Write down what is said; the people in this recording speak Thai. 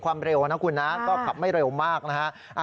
ความเร็วนะคุณนะก็ขับไม่เร็วมากนะฮะ